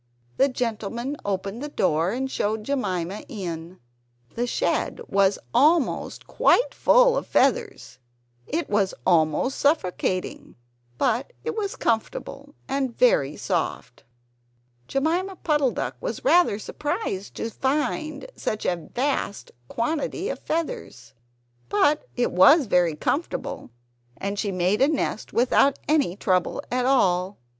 The gentleman opened the door and showed Jemima in. The shed was almost quite full of feathers it was almost suffocating; but it was comfortable and very soft. Jemima Puddle duck was rather surprised to find such a vast quantity of feathers. But it was very comfortable; and she made a nest without any trouble at all.